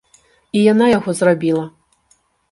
І яна яго зрабіла.